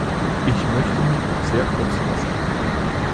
Ich möchte mich sehr kurz fassen.